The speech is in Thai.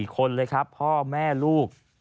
๔คนเลยครับพ่อแม่ลูก